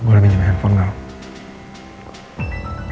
om gue udah minum handphone gak om